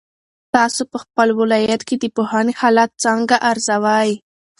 تاسو په خپل ولایت کې د پوهنې حالت څنګه ارزوئ؟